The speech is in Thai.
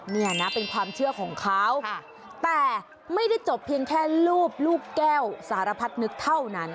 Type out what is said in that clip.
นี่นะเป็นความเชื่อของเขาแต่ไม่ได้จบเพียงแค่รูปลูกแก้วสารพัดนึกเท่านั้น